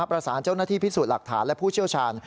เจ้าหน้าที่พิสูจน์หลักฐานและผู้เชี่ยวชาญ